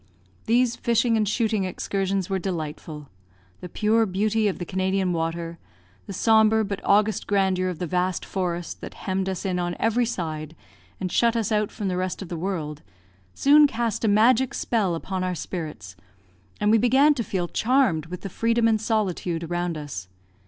These fishing and shooting excursions were delightful. The pure beauty of the Canadian water, the sombre but august grandeur of the vast forest that hemmed us in on every side and shut us out from the rest of the world, soon cast a magic spell upon our spirits, and we began to feel charmed with the freedom and solitude around us.